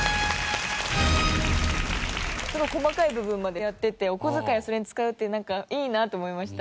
すごい細かい部分までやっててお小遣いそれに使うってなんかいいなと思いました。